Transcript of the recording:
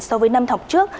so với năm học trước